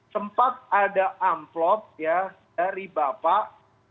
sempat ada amplop ya dari bapak